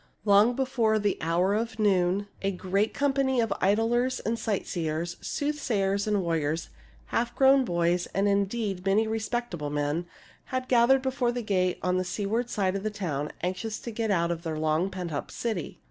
Long before the hour of noon a great company of idlers and sightseers, soothsayers and warriors, half grown boys, and in deed many respectable men, had gathered before the gate on the seaward side of the town, anxious to get out of the long pent up city.